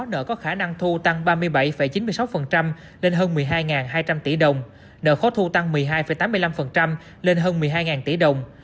nợ có khả năng thu tăng ba mươi bảy chín mươi sáu lên hơn một mươi hai hai trăm linh tỷ đồng nợ khó thu tăng một mươi hai tám mươi năm lên hơn một mươi hai tỷ đồng